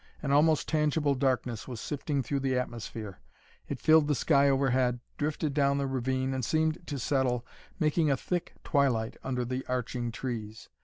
An almost tangible darkness was sifting through the atmosphere. It filled the sky overhead, drifted down the ravine, and seemed to settle, making a thick twilight under the arching trees.